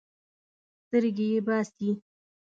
سترګې یې باسي.